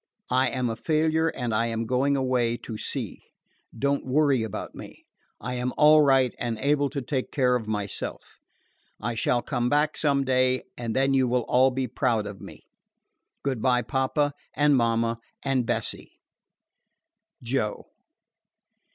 I am a failure and I am going away to sea. Don't worry about me. I am all right and able to take care of myself. I shall come back some day, and then you will all be proud of me. Good by, papa, and mama, and Bessie. JOE.